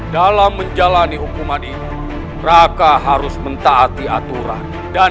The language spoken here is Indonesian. dalam menjalani hukuman ini raka harus mentaati aturan dan